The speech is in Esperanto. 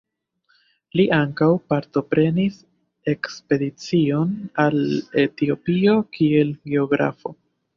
Li ankaŭ partoprenis ekspedicion al Etiopio kiel geografo.